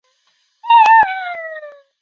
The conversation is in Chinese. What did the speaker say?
莱库斯人口变化图示